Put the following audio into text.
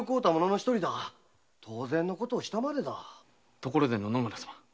ところで野々村様。